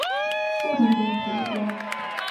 სულ რამდენი ხილი გვაქვს?